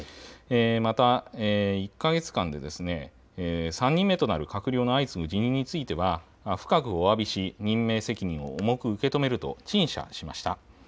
また１か月間で３人目となる閣僚の相次ぐ辞任については深くおわびし任命責任を重く受け止めると陳謝しました。